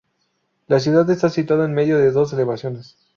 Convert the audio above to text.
La ciudad está situada en medio de dos elevaciones.